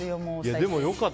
でも、良かった。